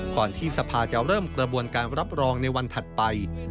ที่สภาจะเริ่มกระบวนการรับรองในวันถัดไป